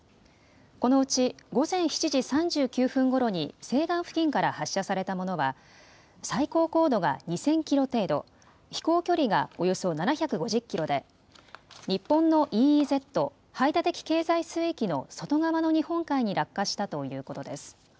このうち午前７時３９分ごろに西岸付近から発射されたものは最高高度が２０００キロ程度、飛行距離がおよそ７５０キロで日本のＥＥＺ・排他的経済水域の外側の日本海に落下したということです。